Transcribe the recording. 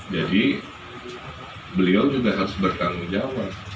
jadi beliau juga harus bertanggung jawab